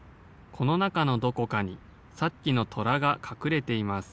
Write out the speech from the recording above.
・このなかのどこかにさっきのとらがかくれています。